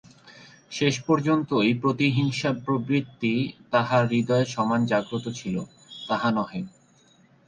শেষ পর্যন্তই প্রতিহিংসা-প্রবৃত্তি তাঁহার হৃদয়ে সমান জাগ্রত ছিল তাহা নহে।